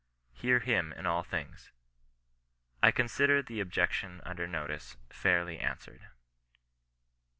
" Hear him in all things^ I consider the objec tion under notice fairly answered.